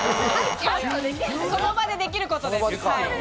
その場でできることです。